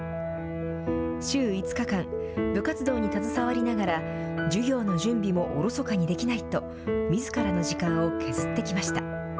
週５日間、部活動に携わりながら、授業の準備も疎かにできないと、みずからの時間を削ってきました。